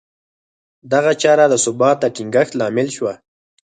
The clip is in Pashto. دغه چاره د ثبات د ټینګښت لامل شوه